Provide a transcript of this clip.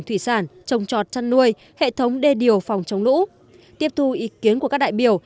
thủy sản trồng trọt chăn nuôi hệ thống đê điều phòng chống lũ tiếp thu ý kiến của các đại biểu